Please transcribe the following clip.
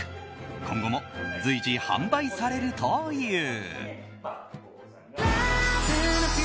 今後も随時販売されるという。